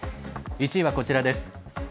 １位はこちらです。